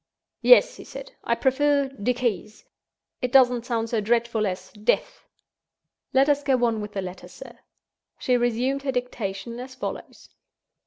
"Yes," he said; "I prefer 'Decease.' It doesn't sound so dreadful as 'Death.'" "Let us go on with the letter, sir." She resumed her dictation, as follows